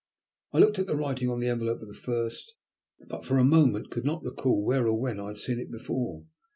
I looked at the writing upon the envelope of the first, but for a moment could not recall where or when I had seen it before.